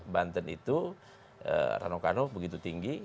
banten itu ranokano begitu tinggi